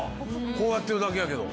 こうやってるだけやけど。